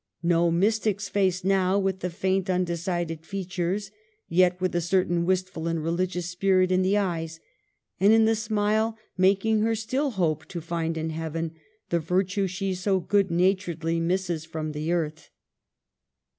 No mystic's face now, with faint, un decided features ; yet with a certain wistful and religious spirit in the eyes and in the smile, mak ing her still hope to find in Heaven the virtue she so good humoredly misses from the earth.